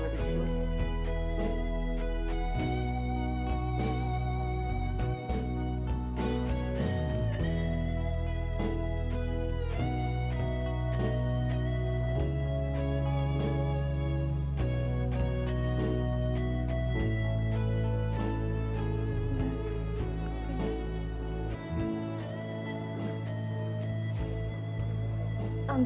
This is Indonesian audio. katanya ada banyak